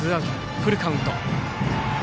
フルカウント。